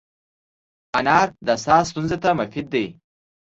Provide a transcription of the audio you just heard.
انار د ساه ستونزو ته مفید دی.